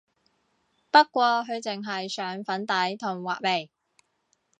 不過佢淨係上粉底同畫眉